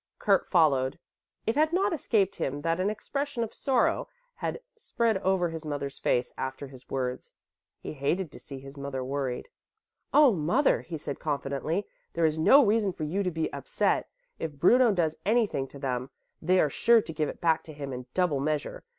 Kurt followed. It had not escaped him that an expression of sorrow had spread over his mother's face after his words. He hated to see his mother worried. "Oh, mother," he said confidently, "there is no reason for you to be upset. If Bruno does anything to them, they are sure to give it back to him in double measure.